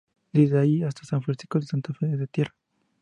Desde allí hasta San Francisco de Santa Fe es de tierra.